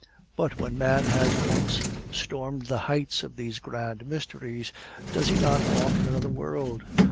But when man has once stormed the heights of these grand mysteries, does he not walk in another world?